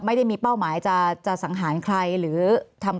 มีความรู้สึกว่ามีความรู้สึกว่ามีความรู้สึกว่า